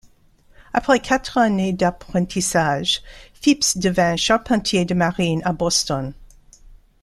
Après quatre années d'apprentissage, Phips devint charpentier de marine à Boston.